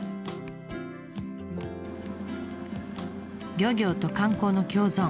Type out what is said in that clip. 漁業と観光の共存。